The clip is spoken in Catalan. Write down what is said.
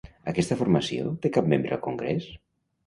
Aquesta formació té cap membre al congrés?